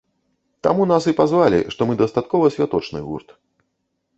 Таму нас і пазвалі, што мы дастаткова святочны гурт.